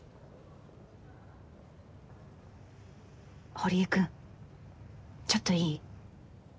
堀江君ちょっといい？